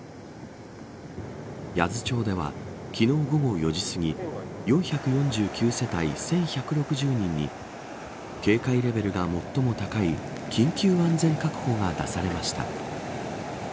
八頭町では、昨日午後４時すぎ４４９世帯１１６０人に警戒レベルが最も高い緊急安全確保が出されました。